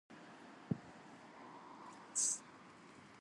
Carotenoids themselves cannot produce toxicity.